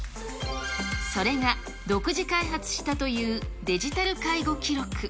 それが独自開発したというデジタル介護記録。